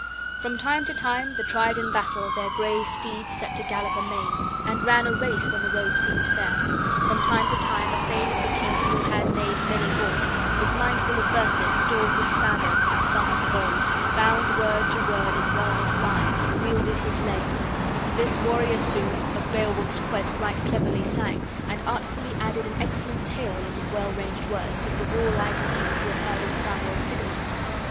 From time to time, the tried in battle their gray steeds set to gallop amain, and ran a race when the road seemed fair. From time to time, a thane of the king, who had made many vaunts, and was mindful of verses, stored with sagas and songs of old, bound word to word in well knit rime, welded his lay; this warrior soon of Beowulf's quest right cleverly sang, and artfully added an excellent tale, in well ranged words, of the warlike deeds he had heard in saga of Sigemund.